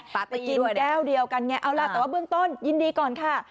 ไปกินแก้วเดียวกันไงเอาล่ะแต่ว่าเบื้องต้นยินดีก่อนค่ะ